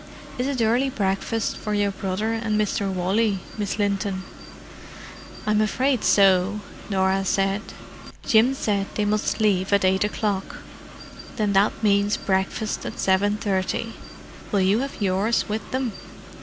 Is it early breakfast for your brother and Mr. Wally, Miss Linton?" "I'm afraid so," Norah said. "Jim said they must leave at eight o'clock." "Then that means breakfast at seven thirty. Will you have yours with them?"